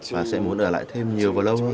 và sẽ muốn ở lại thêm nhiều và lâu hơn